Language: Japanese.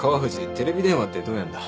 テレビ電話ってどうやんだ？